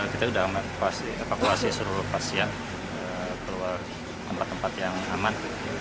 kita sudah evakuasi seluruh pasien keluar tempat tempat yang aman